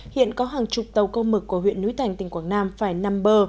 hiện có hàng chục tàu câu mực của huyện núi thành tỉnh quảng nam phải nằm bờ